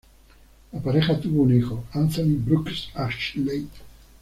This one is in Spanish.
La pareja tuvo un hijo, Anthony Brooks Ashley.